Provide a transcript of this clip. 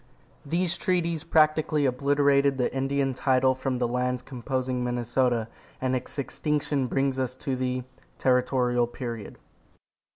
These treaties practically obliterated the Indian title from the lands composing Minnesota, and its extinction brings us to the TERRITORIAL PERIOD.